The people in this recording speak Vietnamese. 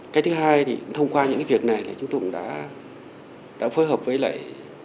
cái thứ hai thì thông qua những cái việc này thì chúng tôi cũng đã phối hợp với lại